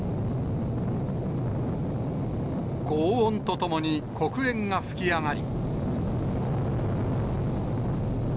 ごう音と共に黒煙が噴き上がり。